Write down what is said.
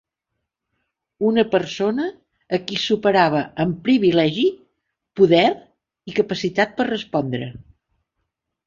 Una persona a qui superava en privilegi, poder i capacitat per respondre.